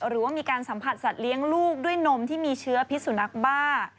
หรือว่ามีการสัมผัสสัตว์เลี้ยงลูกด้วยนมที่มีเชื้อพิษสุนัขบ้า